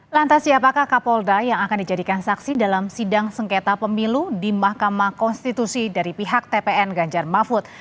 lantas siapakah kapolda yang akan dijadikan saksi dalam sidang sengketa pemilu di mahkamah konstitusi dari pihak tpn ganjar mahfud